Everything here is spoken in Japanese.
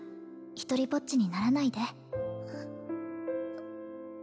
独りぼっちにならないで